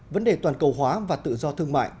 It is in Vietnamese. vấn đề toàn cầu hóa và tự do thương mại